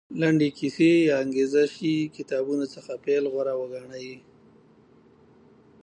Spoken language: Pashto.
لنډې کیسې یا انګېزه شي کتابونو څخه پیل غوره وګڼي.